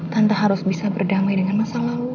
tanpa harus bisa berdamai dengan masa lalu